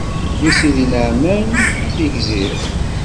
Deg Sidi Neεman, Tigzirt.